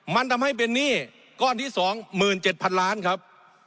มันทำให้เป็นหนี้ก้อนที่๒๗๐๐๐ล้านครับ